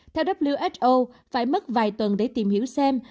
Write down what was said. theo who phải mất vài tuần để tìm hiểu xem